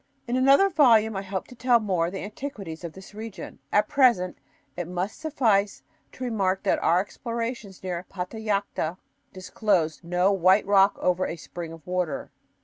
In another volume I hope to tell more of the antiquities of this region. At present it must suffice to remark that our explorations near Patallacta disclosed no "white rock over a spring of water."